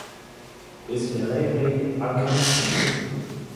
Espereble ankaŭ plue.